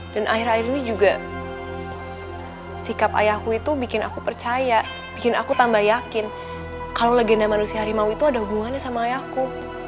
dan akhir akhir ini juga sikap ayahku itu bikin aku percaya bikin aku tambah yakin kalau legenda manusia harimau itu ada hubungannya sama ayahku